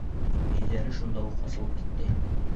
Йөҙҙәре шунда уҡ асылып китте.